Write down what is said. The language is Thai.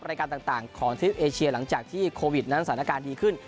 รายการต่างของทริปเอเชียหลังจากที่โควิดนั้นสถานการณ์ดีขึ้น